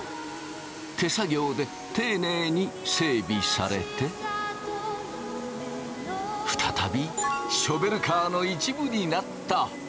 手作業でていねいに整備されて再びショベルカーの一部になった。